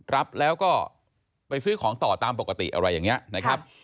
รับแล้วก็ไปซื้อของต่อตามปกติอะไรอย่างนี้นะครับ